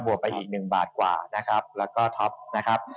บวกไปอีก๑บาทกว่าและก็ท็อปนะครับ